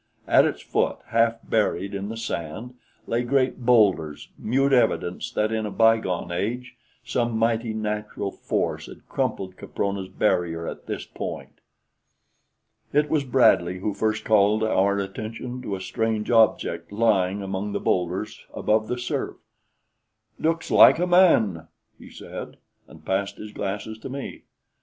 At its foot, half buried in the sand, lay great boulders, mute evidence that in a bygone age some mighty natural force had crumpled Caprona's barrier at this point. It was Bradley who first called our attention to a strange object lying among the boulders above the surf. "Looks like a man," he said, and passed his glasses to me.